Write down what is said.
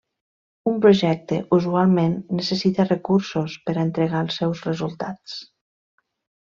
Un projecte usualment necessita recursos per a entregar els seus resultats.